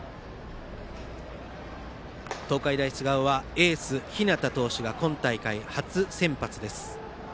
東海大菅生はエース、日當投手が今大会初先発です。